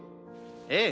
ええ。